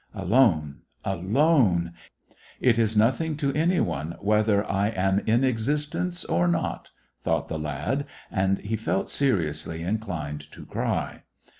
"Alone, alone ; it is nothing to any one whether I am in existence or not," thought the lad, and he felt seriously inclined to cry.